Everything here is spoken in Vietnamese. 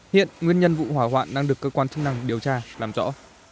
hiện nguyên nhân vụ hỏa hoạn đang được cơ quan chức năng điều tra làm rõ